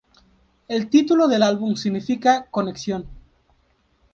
El título del álbum significa "conexión".